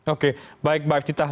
oke baik mbak iftithah